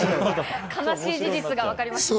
悲しい事実がわかりました。